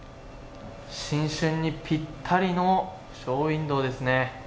新春にぴったりのショーウインドーですね。